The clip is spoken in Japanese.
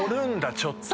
ちょっと。